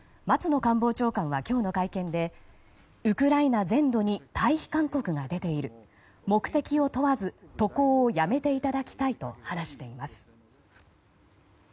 松野官房長官は今日の会見でウクライナ全土に退避勧告が出ている目的を問わず渡航をやめていただきたいと話しています。